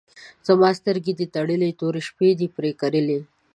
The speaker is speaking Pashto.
زما سترګې دي تړلي، تورې شپې دي پر کرلي